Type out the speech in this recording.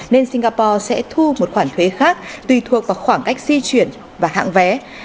nên singapore sẽ thu một khoản thuế khác tùy thuộc vào khoảng cách di chuyển và hạng vé